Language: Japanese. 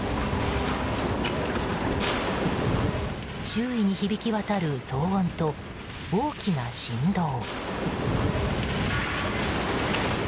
周囲に響き渡る騒音と大きな振動。